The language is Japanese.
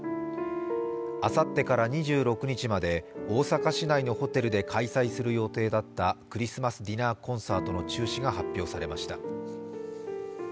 あさってから２６日まで大阪市内のホテルで開催する予定だったクリスマスディナーコンサートの中止が発表されました。